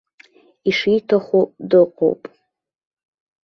Ишиҭаху дыҟоуп.